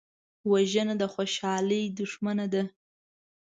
وژنه د خوشحالۍ دښمنه ده